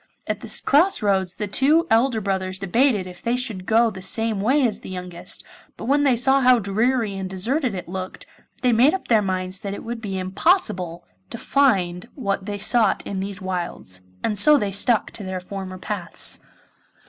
At the cross roads the two elder brothers debated if they should go the same way as the youngest, but when they saw how dreary and deserted it looked they made up their minds that it would be impossible to find what they sought in these wilds, and so they stuck to their former paths.